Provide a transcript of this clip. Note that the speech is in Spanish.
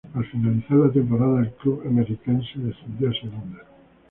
Al finalizar la temporada el club emeritense descendió a Segunda.